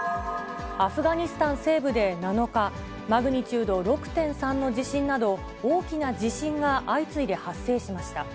アフガニスタン西部で７日、マグニチュード６．３の地震など、大きな地震が相次いで発生しました。